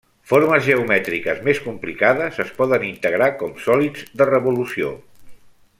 Formes geomètriques més complicades es poden integrar com sòlids de revolució.